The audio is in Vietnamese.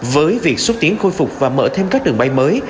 với việc xúc tiến khôi phục và mở thêm các đường bay mới